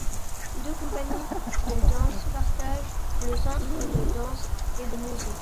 Deux compagnies de danse partagent le Centre de danse et de musique.